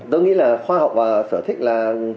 tôi nghĩ là khoa học và sở thích là